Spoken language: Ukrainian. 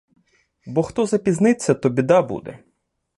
Бо хто запізниться, то біда буде!